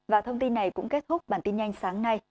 và thông tin này cũng kết thúc bản tin nhanh sáng nay